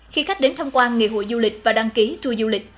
khi khách đến thăm quan ngày hội du lịch và đăng ký tour du lịch